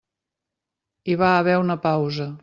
Hi va haver una pausa.